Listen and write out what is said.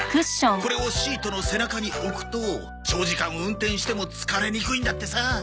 これをシートの背中に置くと長時間運転しても疲れにくいんだってさ！